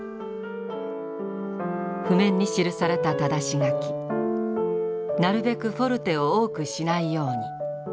譜面に記されたただし書きなるべくフォルテを多くしないように。